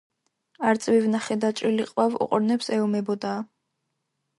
არწივი ვნახე დაჭრილი ყვავ ყორნებს ეომებოდაა